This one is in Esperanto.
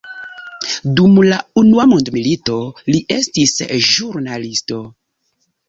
Dum la Unua mondmilito, li estis ĵurnalisto.